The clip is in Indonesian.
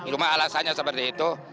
cuma alasannya seperti itu